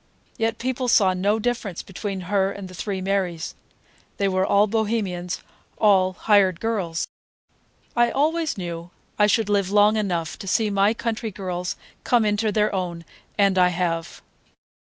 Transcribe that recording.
Yet people saw no difference between her and the three Marys; they were all Bohemians, all "hired girls." I always knew I should live long enough to see my country girls come into their own, and I have.